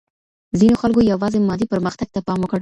ځینو خلګو یوازې مادي پرمختګ ته پام وکړ.